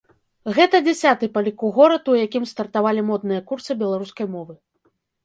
Гэта дзясяты па ліку горад, у якім стартавалі модныя курсы беларускай мовы.